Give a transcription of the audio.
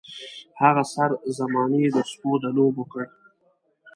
هغه سر زمانې د سپو د لوبو کړ.